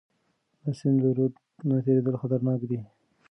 د سند له رود نه تیریدل خطرناک دي.